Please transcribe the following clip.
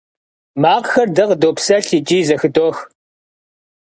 Makhxer de khıdopselh yiç'i zexıdox.